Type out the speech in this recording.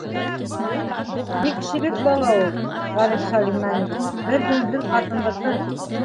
-Бик сибек бала ул, Ғариф Сәлимйәновч, бер йүнһеҙ ҡатындыҡы.